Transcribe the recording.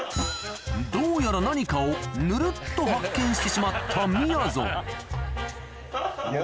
どうやら何かをぬるっと発見してしまったみやぞん